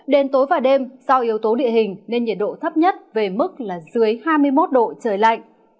đến tối và đêm do yếu tố địa hình nên nhiệt độ thấp nhất về mức là dưới hai mươi một độ trời lạnh